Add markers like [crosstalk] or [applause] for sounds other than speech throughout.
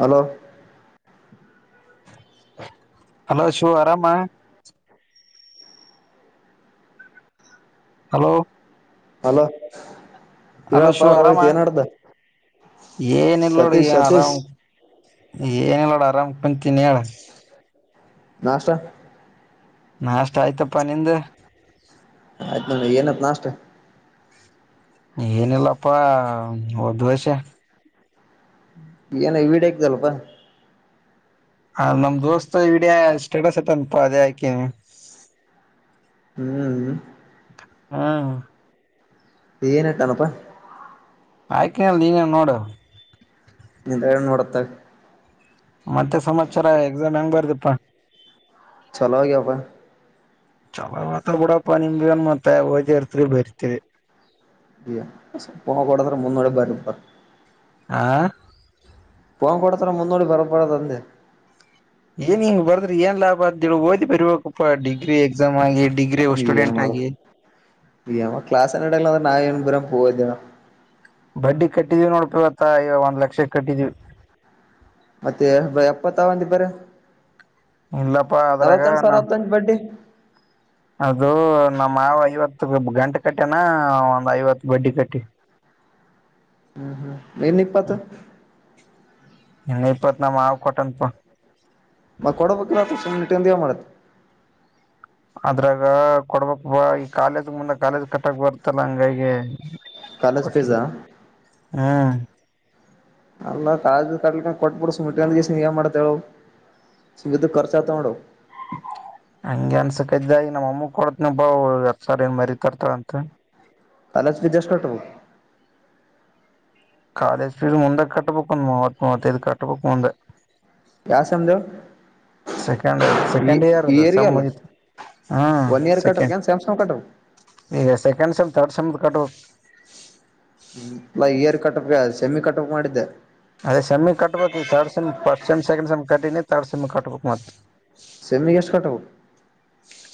Hello hello Shivu ಆರಾಮ hello hello hello ಹೇಳಪ್ಪಾ ಶಿವು ಆರಾಮ ರೋಹಿತ್ ಏನ್ಡ್ದ ಏನಿಲ್ಲ ನೋಡ ಸತೀಶ್ ಎ ಆರಾಮ ಸತೀಶ್ ಏನಿಲ್ಲ ನೂಡ ಕುಂತಿನ್ಹೇಳ್ ನಾಷ್ಟ ನಾಷ್ಟ ಆಯ್ತಪ್ಪ ನಿಂದ ಆತ ನೋಡ ಏನಿತ್ ನಾಷ್ಟ ಏನಿಲ್ಲಪ್ಪ ದೋಸೆ ಏನೋ ವಿಡಿಯೋ ಹಾಕಿದ್ದಲ್ಲಪ್ಪ ನಮ್ ದೋಸ್ತ ವಿಡಿಯೋ ಸ್ಟೇಟಸ್ ಇತ್ತಾನಪ್ಪ ಅದೇ ಹಾಕಿನಿ ಹ್ಮ ಹ್ಮಾ ಏನ್ ಇತ್ತಾನಪ್ಪ ಹಾಕೊಂಡ್ ನೀನೇ ನೂಡ ಹಿಂದ್ರಗ್ಗಡೆ ನೋಡ್ತಾ ಮತ್ತೆ ಸಮಾಚಾರ ಎಕ್ಸಾಮ್ ಹೆಂಗ್ ಬರೆದಪ್ಪ ಚಲೋ ಆಗ್ಯಾವ ಬಾ ಚಲೋ ಆಗಿರ್ತ ಬಿಡಪ್ಪ ನಿಮ್ಮದೇನು ಮತ್ತೆ ಓದಿರ್ತೀರಿ ಬರಿತೀರಿ [unintelligible] ಮುನ್ನಡೆ ಬರೀ ಪಾ ಹಾ ಫೋನ್ ಕೊಡ್ತಾರೆ ಮುಂದೆ ಬರೆದ ಬಿಡದಂದೆ ಏನ್ ಹಿಂಗ್ ಬರೋದು ಏನ್ ಲಾಭ ತಿಳ ಓದಿ ಬೇಕಪ್ಪ ಡಿಗ್ರಿ ಎಕ್ಸಾಮ್ ಡಿಗ್ರಿ ಏನ್ ಸ್ಟೂಡೆಂಟ್ ಆಗಿ ಮಾಡೋದು ಯಾವಾಗಾ ಕ್ಲಾಸೆ ನಡಿಯಲ್ಲ ಅಂದ್ರೆ ನಾವೇನ್ ಓದರ ಬಡ್ಡಿ ಕಟ್ಟಿದಿವ ನೋಡಪ ಇವತ್ತ ಒಂದ್ ಲಕ್ಷ ಕಾಯಿಡಿವಿ ಮತ್ತೆ ಎನ್ ಬ್ರೋ ಅಪ್ಪ ಚನ್ನಗಿದರೆ ಇಲ್ಲಪ್ಪ ಅದರಾಗ ನ ಬಡ್ಡಿ ಅದು ನಮ್ಮ ಮಾವ ಐವತ್ತು ಐವತ್ತ ಗಂಟ್ ಕಟ್ಟ್ಯಾನ ಹ್ ಒಂದ್ ಐವತ್ತ್ ಬಡ್ಡಿ ಕಟ್ಟಿವಿ ಇನ್ನ್ ಇಪ್ಪತ್ತು ಇನ್ನ್ ಇಪ್ಪತ್ತ ನಮ್ಮ ಮಾವ್ ಕೊಟ್ಟನಪಾ ಮತ್ತ್ ಕೊಡಬೇಕಿಲ್ ಆತಗ್ ಸುಮ್ಮ್ ಇಟಗೊಂಡ ಏನ್ ಮಾಡ್ತಿ ಅದರಾಗ ಕೊಡಬೇಕಪಾ ಈ ಕಾಲೇಜ್ ಕಾಲೇಜ್ ಕಟ್ಟಾಕ್ ಬರತಲ್ ಹಂಗಾಗಿ ಕಾಲೇಜ್ ಫೀಸ್ ಆ ಹ್ಮ್ಮ್ ಅಲ್ಲಾ ಕಾಲೇಜಿಗೆ ಕಟ್ಟಲಿಲ್ಲ ಅಂದ್ರ ಕೊಟ್ಟ ಬಿಡು ಸುಮ್ಮ್ ಇಟಗೊಂಡು ಕೆಸಿ ಎನ್ ಮಾಡ್ತಿ ಹೇಳ ಸುಮ್ಮ ಇದ್ದಿದ್ ಖರ್ಚ್ ಆಗತಾವ್ ನೋಡ್ ಹಂಗೆ ಅನಸಕತ್ದ ಈಗ ನಮ್ಮಮ್ ಕೊಡತಿನಪ ಹತ್ತ ಸಾವಿರ ಏನ ಮರಿ ತರತಾಳ ಅಂತ ಕಾಲೇಜ್ ಫೀಸ್ ಎಸ್ಟ್ ಕಟ್ಟಬೇಕ್ ಕಾಲೇಜ್ ಫೀಸ್ ಮುಂದ ಕಟ್ಟಬೇಕ್ ಒಂದ್ ಮೂವತ್ತ್ ಮೂವತ್ತೈದ್ ಕಟ್ಟಬೇಕ್ ಮುಂದ ಯಾವ್ ಸೆಮ್ದ್ ಹೇಳ್ ಈ ಸೆಕೆಂಡ್ ಇಯರ್ ಈ ದು ಇಯರ್ಗೆ ಸೆಮ್ ಅಲ್ಲ ಇದು, ಹ್ಮ್ಮ್ ಒನ್ ಇಯರ್ ಕಟ್ಬೇಕ್ ಸೆಕೆಂಡ್ ಏನ್ ಸೆಮ್ ಸಮ್ ಕಟ್ಬೇಕ್ ಈಗ ಸೆಕೆಂಡ್ ಸೆಮ್ ಥರ್ಡ್ ಸೆಮ್ ದ ಕಟ್ಟಬೇಕ್ ಸಸ್ - [inaudible] ಸೆಮಿಗ್ ಕಟ್ಟಬೇಕ್ ಅಂತ ಮಾಡಿದ್ಯಾ ಅದ ಸೆಮಿಗ್ ಕಟ್ಟಬೇಕ್ ಈಗ third sem first sem second sem ಕಟ್ಟಿನಿ ಥರ್ಡ್ ಸೆಮ್ ದು ಕಟ್ಟಬೇಕ್ ಮತ್ತ ಸೆಮ್ಮಿಗ್ ಎಷ್ಟ ಕಟ್ಟಬೇಕ್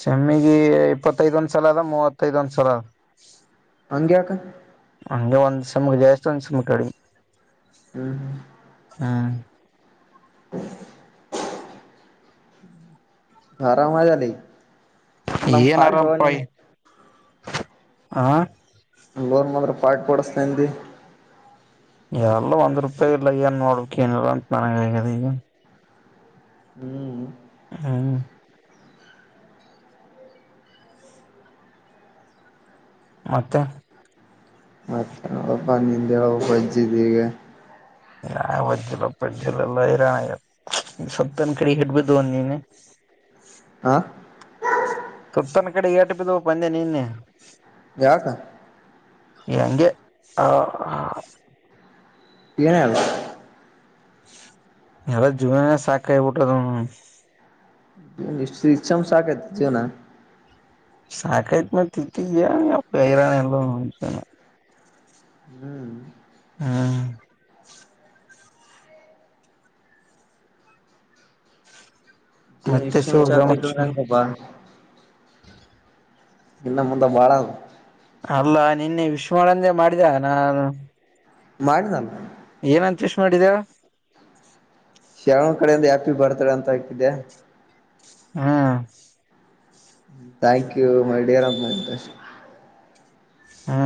ಸೆಮ್ಮಿಗಿ ಇಪ್ಪತೈದ್ ಒಂದ್ ಸಲ ಆದ ಮೂವತ್ತೈದ್ ಒಂದ್ ಸಲ ಅದ ಹಂಗ್ಯಾಕ ಹಂಗೆ ಒಂದ್ ಸೆಮ್ ಗ ಜಾಸ್ತಿ ಒಂದ್ ಸೆಮ್ ಗಿ ಕಡಿಮಿ ಹ್ಮ್ - ಹ್ಮ್ - [inaudible] ಆರಾಮಆದ್ಯಲ ಈಗ ಏನರ [unintelligible] ಆ- [unintelligible] ಪಾರ್ಟಿ ಕೊಡಿಸ್ತೀನಿ ಅಂದಿ ಎಲ್ ಒಂದ್ ರುಪಾಯ್ ಇಲ್ಲ ಎನ್ ಮಾಡಬೇಕ್ ಏನಿಲ್ಲ ಅಂತ್ ನನಗ ಆಗ್ಯದ ಈಗ ಹ್ಮ್ ಹ್ಮ್ ಮತ್ತೆ ಮತ್ತೆ ಎನ್ ಇಲ್ಲ ಪಾ ನಿಂದ ಹೇಳಬೇಕ ವಜ್ಜ್ಯ ಅದಿ ಈಗ ಯಾ ವಜ್ಜಿ ಇಲ್ಲ ಪಜ್ಜಿ ಇಲ್ಲ ಎಲ್ಲ ಹೈರಾಣ ಆಗ್ಯದ [inaudible] ಹಾ [inaudible] ಯಾಕ ಹಂಗೆ ಆ ಎಫ್ ಯಾವ ಜೀವನಾನೆ ಸಾಗಾಡ್ಬಿಟ್ಟಿದ್ದೇನೋ ಇಷ್ಟು ಬೇಗ ಸಾಕಾಯ್ತು ಜೀವನ ಸಾಕಾಗ್ಬಿಟ್ಟಿದೆ ಯಪ್ಪಾ ಈ ಜೀವನ ಎಲ್ಲಾನು ಹೂವು ಹಾ ಏನು ಮತ್ತೆ ಶಿವ ಇಷ್ಟೊಂದು ಶಾಖ ಸಮಾಚಾರ ಕೊಡುತ್ತಿದ್ದವನು ಬಾನು ಹಿಂದೆ ಮುಂದೆ ಬಾಳ ಆಗುತ್ತದೆ ಅಲ್ಲಾ ನಿನ್ನೆ ವಿಶ್ ಮಾಡು ಅಂತ ಅಂದಿದ್ದೆ ಮಾಡಿದೆ ಏನು ಮಾಡಿದ್ನಲ್ಲ ಏನಂತ ವಿಶ್ ಮಾಡಿದ್ದು ಹೇಳು ಶ್ರಾವಣ ಕಡೆಯಿಂದ ಹ್ಯಾಪಿ ಬರ್ತಡೆ ಅಂತ ಹಾಕಿದ್ದೆ ಹೋ thank you my dear best friend ಹೋ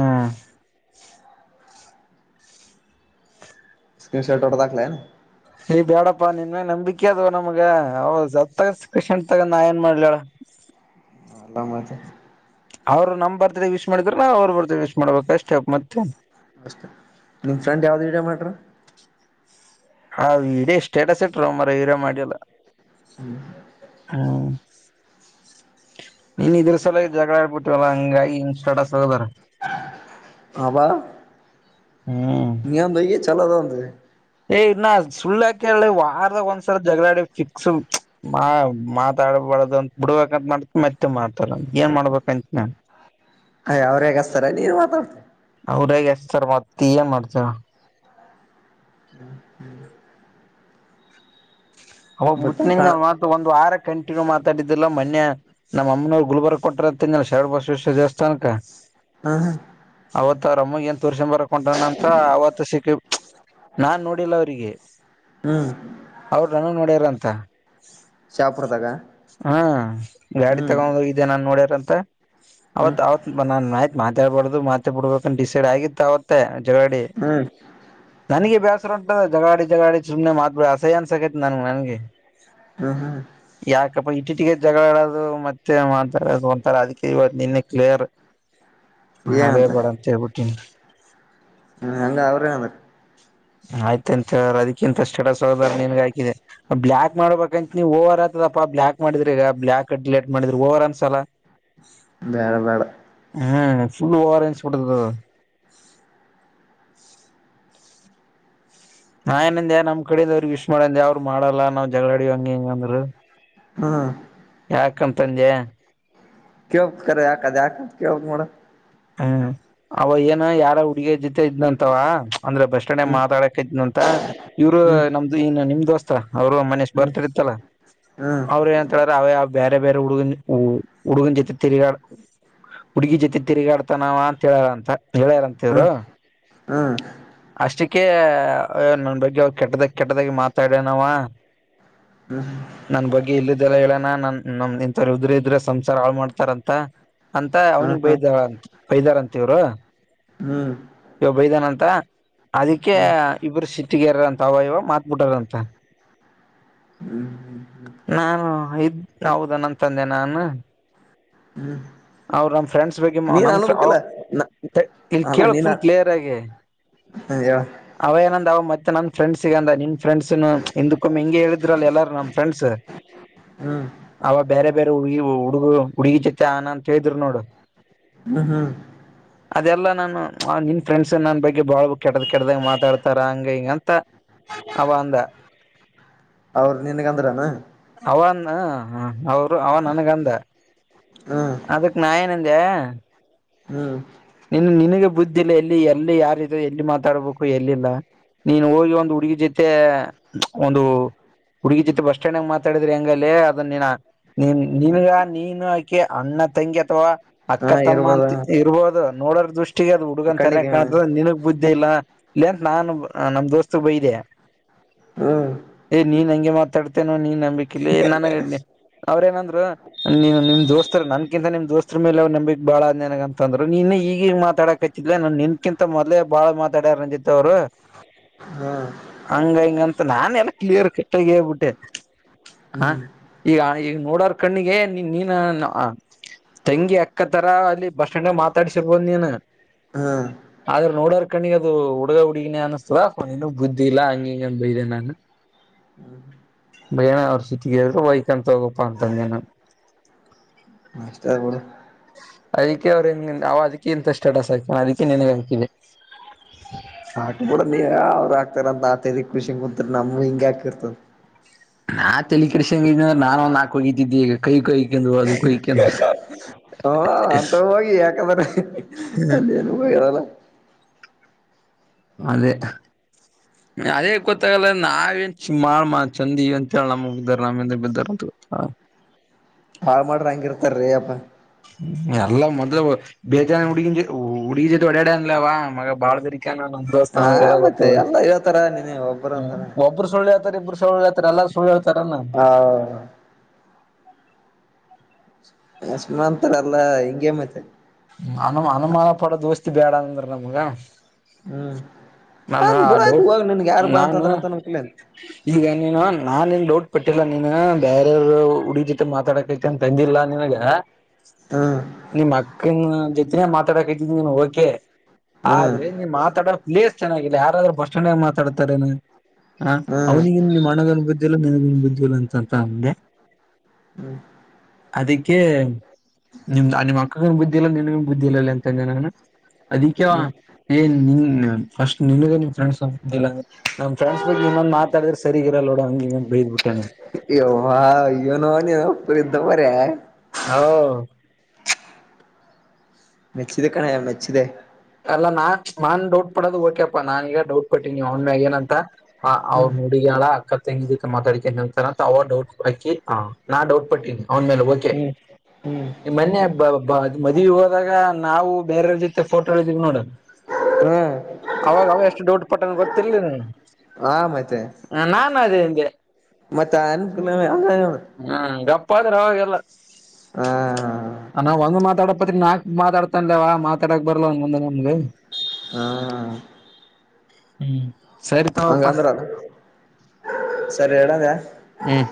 ಸ್ಕ್ರೀನ್ ಶಾರ್ಟ್ ದೊಡ್ಡದಾಗ್ಲೇನು ಹೇ ಬೇಡಪ್ಪ ನಮಿಗೆ ಮೇಲೆ ನಂಬಿಕೆ ಇಲ್ಲವೇ ನಮಗೆ ಸರ್ಪ್ರೈಸ್ ಸ್ಕ್ರೀನ್ ಶಾರ್ಟ್ ನಾ ಏನ್ ಮಾಡ್ಲಿ ಹೇಳು ಏನೇನ್ ಮಾಡ್ತಿದ್ದೆ ಅವರು ನಮ್ಮ ಬರ್ಡೆ ವಿಶ್ ಮಾಡಿದ್ರೆ ನಾವು ಹೊಡೆ ವಿಶ್ ಮಾಡಬೇಕು ನಿನ್ನ ಫ್ರೆಂಡ್ ಯಾವುದೋ ವಿಡಿಯೋ ಮಾಡಿದ್ದಲ್ಲ ಹಾ ಒಂದೇ ಸ್ಟೇಟಸ್ ಹಾಕ್ಬೇಕು ನಾ ಮನೆಗಿದ್ರೆ ಮಾಡಲ್ಲ ಇದರ ಸಭೆ ಜಗಳ ಆಡ ಬಿಟ್ಟೇನು [inaudible] ಹಬ್ ಹ್ಮ್ [inaudible] ಕನ್ನಡ ಹೋಗ್ಲಿ [unintelligible] ಅವರೇ ಚೆನ್ನಾಗಿದ್ದರೆ ನೀವು ಇರಬಾರದು [inaudible] [inaudible] ಬಟ್ ಹೌಸ್ಲಿಂದ ಕಾಣ ವಾರದ ಕಂಟಿನಿಯಸ್ ಆಗಿ ಮಾತಾಡೋದೇ ಹೇಳುವ ಮೊನ್ನೆ ನಮ್ಮನ್ನ ಅವರ್ನ ಗುಲ್ಬರ್ಗ ಕೊಟ್ಟೂರು ದ್ರವದಿಂದ ಚಲೋ ರಶ್ ದೇವಸ್ಥಾನಕ್ಕೆ [unintelligible] ಅವರಮ್ಮ [unintelligible] ತೋರಿಸಿಕೊಂಡು ಬರಕ್ ಹೊಂಟಾನಂತ ಅವತ್ತು ಸಿಟಿ ನಾ ನೋಡಿಲ್ಲ ಅವರಿಗೆ ಹ್ಮ್ ಏನಂತ ಶಾಪುರದಾಗ ಗಾಡಿ ಹ್ಮ್ ತಗೊಂಡು ಹೋಗಿದ್ದು ನನ್ನ ನೋಡ್ಯಾರಂತ ಹ್ಮ್ ಅವತ್ತು ಅವತ್ತು ಮಾತಾಡಬಾರದು ಮಾತಾಡಬಾರದು ಅಂತ ಡಿಸೈಡ್ ಆಗಿದ್ದವಂತೆ ಜಗಳ ಆಡಿ ಹ್ಮ್ ನನಿಗೆ ಬ್ಯಾಸ್ ಬ್ಯಾಸರ ಹೊಂಟದ ಜಗಳ ಆಡಿ ಜಗಳ ಆಡಿ ಸುಮ್ನೇ ಮಾತ್ ಬಿಡದೆ ಅಸಯ್ಯ ಅನ್ನೋ ತೆಗೆದ್ ನಲ್ಲ ಹಂಗೆ ಹ ಹ ಯಪ್ಪ ಇಟ್ ಇಟ್ ಗೆ ಜಗಳ ಆಡದು ಮತ್ತೇ ಮಾತಾಡದು ಒಂಥರಾ ಅದಿಕ್ಕೆ ಇವತ್ ನೆನ್ನೆ ಕ್ಲಿಯರ್ ಮಾಡೇ ಬ್ಯಾಡ್ ಅಂತ್ ಹೇಳ್ಬಿಟ್ಟಿನ ಹಾ ಹಂಗ ಆಯ್ತ್ ಅಂತೆ ಹೇಳ್ ಚಲೋ ಸೋದರ ನಿನಿಗ್ ಹಾಕಿದೆ ಬ್ಲಾಕ್ ಮಾಡ್ಬೇಕ್ ಅಂತ್ ನೀ ಓವರ್ ಅತನಪ್ಪ ಬ್ಲಾಕ್ ಮಾಡಿದ್ರಾ ಈಗ ಕಟ್ ಲೇಟ್ ಮಾಡಿದ್ರ ಓವರ್ ಅನ್ಸಲ ಬ್ಯಾಡ ಬ್ಯಾಡ ಹೂ ಫುಲ್ ಓವರ್ ಅನ್ಸ್ ಬಿಟ್ಟದ್ ಅದು ನಾ ಎಂದ ನಮ್ಮ ಕಡೆದು ವಿಶ್ ಮಾಡಲ್ಲ ಅಂದ್ರುಅವರು ಮಾಡಲೇನ್ ನಾವು ಜಗಳ ಆಡಿ ಹಂಗಂದ್ರು ಹ ಯಾಕಂತಂದೆ ಕೇಳಬಕದ್ ಅದ್ ಅದ್ಯಾಕ್ ಅಂತ್ ಕೇಳ್ಬಕ್ ನೋಡು ಹೊ ಅವಯ್ಯನ್ಯಾರ್ ಹುಡ್ಗಿನ್ ಜೊತೆ ಜೊತೆ ಇದ್ಯಂತ ಅವ ಅಂದ್ರೆ ಬಸ್ ಸ್ಟಾಂಡ್ ಹ್ಮ್ ಮಾತಾಡ್ಯಕ್ ಅತ್ಯಂತ ಇವ್ರು ಹ್ಮ್ ನಮ್ಮದು ಇನ್ನ ನಿಮ್ ದೋಸ್ತ್ ಅವ್ರು ಮಾನುಸ್ ಹ್ಮ್ ಬರ್ತ್ಡ್ ಡೇ ಇತ್ತಲ ಹ್ಮ್ ಅವರ್ ಎನ್ ಅಂತ್ ಹೇಳೆ ರೇ ಅವೆ ಅವ ಬ್ಯಾರೆ ಬ್ಯಾರೆ ಹುಡುಗನ ಹೂ ಹುಡುಗನ ತಿರಗಾಡ ಹುಡ್ಗಿ ಜೊತೆ ತಿರಗಾಡ [inaudible] [unintelligible] ಹೇಳ ರ್ ಹ್ಮ್ ಇವರು ಹ್ಮ್ ಹ್ಮ್ ಅಷ್ಟು ಕೆ [unintelligible] ನನ್ ಬಗ್ಗೆ ಇಲ್ಲಿದೆಲ್ಲ ಹೇಳನ ನನ್ನ ಇಂಥೋರ್ ಇದ್ರೆ ಸಂಸಾರ ಹಾಳ್ ಮಾಡ್ತಾರಂತ ಅಂತ ಹ್ಮ್ ಅವನಿಗೆ ಹ್ಮ್ ಹ್ಮ್ ಬೈದರಂತೆ ಇದರಂತಿವರು [unintelligible] ಅದಕ್ಕೆ ಹ್ಮ್ ಹ್ಮ್ ಇಬ್ಬರು ಸಿಕ್ಕ ಅವ ಇವ ಮಾತ್ ಬಿಟ್ಟರಂತೆ [inaudible] ಯಾವುದು ಅಂತ್ ಅಂದೆ ನಾನು ಹ್ಮ್ ಅವ್ರ್ ನಮ್ ಫ್ರೆಂಡ್ ಬಗ್ಗೆ ನೀನ್ ಅವನು ಅನ್ಬೇಕಿಲ್ಲ ಅಲ್ಲ ನೀನ [unintelligible] [inaudible] ಅವ ಏನಂದ ಮತ್ತೆ ನನ್ ಫ್ರೆಂಡ್ಸಿಗೆ ಅಂದ ನಿಮ್ ಫ್ರೆಂಡ್ ಫ್ರೆಂಡ್ಸ್ ನು ಚ ಇಂದುಕನು ಒಮ್ಮೆ ಬೇರೆ ಹೇಳಿದ್ದರು ಅಲ್ಲಾ ನಮ್ಮ ಫ್ರೆಂಡ್ಸ್ ಹ್ಮ್ ಅವಾಗ ಬೇರೆ ಬೇರೆ ಹುಡುಗಿ ಹುಡುಗ ಹುಡುಗಿ ಜೊತೆ ಅದನ ಅಂತಾ ಹೇಳಿದ್ರು ನೋಡು ಹೂ ಅದೆಲ್ಲ ನಾನು ನಿಮ್ಮ ಫ್ರೆಂಡ್ಸ್ ನನ್ ಬಗ್ಗೆ ಬಾಳ ಕೆಟ್ಟದ ಕೆಟ್ಟದಾಗಿ ಮಾತಾಡ್ತಾರ ಹಂಗ ಹಿಂಗ ಅಂತ ಅವ ಅಂದ ಹೌದ ನಿನಗ ಅಂದ್ರು ಅನು ಹ ಅವ ನನಗ ಅಂದ ಅದಕ್ಕೆ ನಾ ಎನ್ ಅಂದೆ ಅಂದೇಯ ಹೂ ನಿನ್ ನಿನಗ ಬುದ್ಧಿ ಇಲ್ಲ ಎಲ್ಲಿ ಯಾರ್ ಇದು ಎಲ್ಲಿ ಮಾತಾಡಬೇಕ ಎಲ್ಲಿ ಇಲ್ಲ ನೀನ ಹೊಗಿ ಒಂದ ಹುಡುಗಿ ಜೊತೆ ಒಂದ ಹುಡುಗಿ ಹೋಗಿ ಬಸ್ ಸ್ಟ್ಯಾಂಡ್ ಅಲ್ಲಿ ಮಾತಾಡಿದ್ರೆ ಎಂಗ್ ಲೆ ನಿನಗ ಅಕಿ ಅಣ್ಣಾ ತಂಗಿ ಅಥವಾ ಹಾ ಅಕ್ಕಾ ತಮ್ಮ ಇರ್ಬೋದ ಇರಬಹುದು ನೋಡರ್ ದೃಷ್ಟಿ ಫಸ್ಟ್ ಗೆ ಹುಡುಗನ ತರ ನೆ ಕಣ್ಣಿಗೆ ಕಾಣ್ತದ ನಿನಗ ಬುದ್ಧಿ ಇಲ್ಲಾ ಇಲ್ಲ ಲೇ ಅಂತ ನಮ್ ದೋಸ್ತಗ ಬೈದೆ ಹ್ಮ್ ಯೇ ನೀನ್ ಅಂಗೆ ಅಂಗೆ ಮಾತಾಡ್ತೀ ಏನ ನೀನ್ ನಂಬಿಕೆ ಇಲ್ಲ ನನಗ ಅವರ ಎನ್ ಅಂದ್ರು ನನ್ನ ಕಿಂತಾ ನಿಮ್ಮ ದೋಸ್ಟರ್ ದೋಸ್ತರ ಮೇಲೆ ನಂಬಿಕೆ ಬಾಳ ಅದ ಅಂದ್ರು ನೀನಾ ಈಗ ಈಗ ಈಗ ಮಾತಾಡಕತ್ತಿ ಲೆ ನಿನ್ನ ಕಿಂತ್ ಮೊದ್ಲೆ ಬಾಳ ಮಾತಾಡೆರ ನನ್ನ ಜೊತೆ ಅವರು ಹಾ ಅಂಗ ಇಂಗ ಅಂತಾ ನಾನೇ ಕ್ಲಿಯರ್ ಕಟ್ಟಾ ಆಗಿ ಹೇಳಿಬಿಟ್ಟೆ ಹ್ ಹ್ಮ್ ಈಗ ಹಾಗ ನೋಡರ ಕಣ್ಣಿಗೆ ನೀನ್ ತಂಗಿ ಅಕ್ಕಾ ತರ ಬಸ್ ಸ್ಟ್ಯಾಂಡ್ ಅಲ್ಲಿ ಮಾತಾಡಿಸಿ ಮಾತಾಡಿರಬಹುದು ನೀನು ಹಾ ಆದರ ನೋಡರ ನೋಡರ ಕಣ್ಣಿಗೆ ಅದು ಹುಡುಗ ಹುಡುಗಿ ಅನಿಸುತ್ತದೆ ನಿನಗ ಬುದ್ಧಿ ಇಲ್ಲ ಅಂತಾ ಅಂಗ ಇಂಗಾ ಬೈದೇ ಹ ಬೈಯನ ಅವ್ರ್ ಸಿಟಿಗೇರಿದರು ವೈಕೊಂತಹೋಗ ಪಾ ಅಂದೆ ನಾ ಅಷ್ಟಾ ಅದ ಬಿಡು ಅದಕೆ ಅವರ ಅವ ಇಂತಾ ಸ್ಟೇಟಸ್ ಹಾಕಿದ ಅದ್ಕೆ ನಿನಗ ಹಾಕಿದೆ ಹಾಕಲಿ ಬಿಡು ನಿ ಅವರ ಹಾಕತರ್ ಅಂತ ನಾವ ತೇಲಿ ಕೆಡಿಸ್ಕೊಂಡು ಕುಂತ್ರು ಹಂಗೆ ಆಗುತ್ತಾ ನಾ ತಲೆಕೆಡಿಸಿಗೊಂಡಿದ್ದರೆ ನಾನ ಒಂದ ನಾಲ್ಕು ಹೋಗಿತಿದ್ದೆ ಕೈ ಪೈ ಹ ಅಂತವ್ ಹೊಗಿ ಯಾಕ ಅಂದ್ರ ಅಲ್ಲಿ ಹೊಗೆದ ಅಲ್ಲ ಅದೆ ಅದೇ ಗೊತ್ತಾ ಆಗಲ್ಲಾ ಆಗೈತಿ ನಾವ ಎನ್ ಚೆಂದ ಅದಿವಿ ನಮ್ಮ ಇಂದ ಬಿದ್ದರ ನಮ್ಮ ಇಂದ ಬಿದ್ದರ್ ಗೊತ್ತಾಗಲ್ಲ ಹಾಳ ಮಾಡರ ಅಂಗ ಇರ್ತಾರ ರಿ ಯಪ್ಪಾ ಎಲ್ಲಾ ಮೊದಲ ಬೇಜಾನ ಹುಡುಗಿನ ಹುಡುಗಿ ಜೊತೆ ಹೊಡೆನ ಲೇ ಅವಾ ಬಾಳ ಬೇರಿಕಿ ಅದಕೆ ನಾ ನಮ್ಮ ದೋಸ್ತ ಹಾ ಅವನಿಗೆ ಎಲ್ಲಾ ಮತ್ತೆ ಗೊತ್ತಾದ ಎಲ್ಲ ಹೇಳ್ತಾರ ನೀನ ಒಬ್ಬರ ಅಂತಾನ ಒಬ್ಬರ ಸುಳ್ಳ ಇಬ್ಬರೂ ಸುಳ್ಳು ಹೇಳತಾರ್ ಎಲ್ಲರು ಹೇಳತರ್ ಏನ ಆ [inaudible] ಇಂಗೆ ಮತ್ತೆ ಆನ್ ಅನುಮಾನಪದೋ ದೋಸ್ತಬ್ಯಾಡಂದ್ರೆ ನಮ್ಗೆ ಹ್ಮ್ ನಾನು ನಾನ್ ಆ ಬುಡ ಆಯ್ತು ಡೌಟ್ ಹೋಗ ನನ್ಗೆ ಯಾರು ಬಾ ಅಂತ ನಾನು ಅಂತ ನಕ್ಲ ಈಗ ನೀನು ನಾನು ನಿನ್ನ ಡೌಟ್ [unintelligible] ಹ್ಮ್ ನಿಮಕ್ [unintelligible] ಓಕೆ. ಹ್ಮ್ ಆದ್ರೆ, ನೀ ಮಾತಾಡೋ ಪ್ಲೀಸ್. ಚೆನ್ನಾಗಿಲ್ಲ. ಯಾರಾದ್ರೂ ಬಸ್ ಸ್ಟ್ಯಾಂಡಾಗ್ ಮಾತಾಡ್ತಾರೇನ? [unintelligible] ಹ್ಮ್ ನೀನ್ ಬುದ್ಧಿ ಇಲ್ಲಂತಂತ ಅಂದೆ ಹ್ಮ್ಮ್. ಅದಕ್ಕೆ ನಿಮ್ದಾನಿಮಕ್ಕ್ ಅವನಿಗ್ ಬುದ್ಧಿ ಇಲ್ಲ ನಿನಗೂ ಬುದ್ಧಿ ಇಲ್ಲ ಹ್ಮ್ [unintelligible] [unintelligible] ನಮ್ ಫ್ರೆಂಡ್ಸ್ ಬಗ್ಗೆ ಇನ್ನೊಂದ್ ಮಾತಾಡಿದ್ರೆ ಸರಿಗಿರಲ್ಲೋಡು ಹಂಗ್ ಹಿಂಗ್ ಅಂತ್ ಬೈದ್ಬಿಟ್ಟೆ ನಾನ್ ಯವ್ವ ಏನೋ [unintelligible] ಆವೋ ಮೆಚ್ಚಿದೆ ಕಣಯ್ಯ ಮೆಚ್ಚಿದೆ. ಅಲ್ಲನಾ, ನಾನ್ ಡೌಟ್ ಪಡೋದು ಓಕೆ ಅಪ್ಪ ನಾನೀಗ ಡೌಟ್ ಪಟ್ಟೀನಿ ಅವ್ನ್ ಮ್ಯಾಗ್ ಏನಂತಾ [unintelligible] [unintelligible] ಹ್ಮ್ ನಾ ಡೌಟ್ ಪಟ್ಟೀನಿ. ಅವ್ನ್ ಮೇಲ್ ಓಕೆ. ಹ್ಮ್ ಹ್ಮ್ ನಿ ಮನ್ನೆ ಯಾಕ್ ಮದ್ವಿಗ್ ಹೋದಾಗ ನಾವು ಬೇರೆಯವರ್ ಜೊತೆ ತೆಫೋನ್ ಹ್ಮ್ [unintelligible] ಆವಾಗವಾಗ್ ಎಷ್ಟ್ ಡೌಟ್ ಪಟ್ಟೆನ್ ಗೊತ್ತಿರ್ಲಿ ನಿಂಗ್ ಹ ಮತ್ತೆ [unintelligible] [unintelligible] [unintelligible] [unintelligible] ಹ [unintelligible] [unintelligible] [unintelligible] ಹಾ. ಹ್ಮ್ಮ್. ಹಂಗಂದ್ರಂತ್. ಸರಿ, ಇಡದ. ಹ್ಮ್ಮ್.